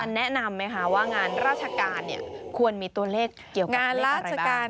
อาจารย์แนะนำไหมว่างานราชการควรมีตัวเลขเกี่ยวกับเลขอะไรบ้าง